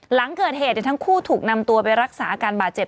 หลังเกิดเหตุทั้งคู่ถูกนำตัวไปรักษาอาการบาดเจ็บ